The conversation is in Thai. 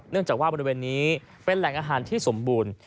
จากว่าบริเวณนี้เป็นแหล่งอาหารที่สมบูรณ์